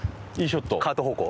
カート方向。